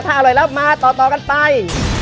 ถ้าอร่อยแล้วมาต่อกันไป